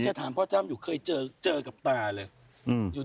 จะถามพ่อจ้ำอยู่เคยเจอเจอกับตาเลย